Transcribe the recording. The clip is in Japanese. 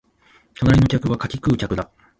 隣の客は柿食う客だ